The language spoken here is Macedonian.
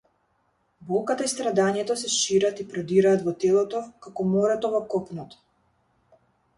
Болката и страдањето се шират и продираат во телото, како морето во копното.